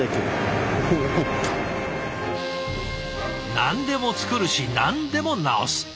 何でも作るし何でも直す。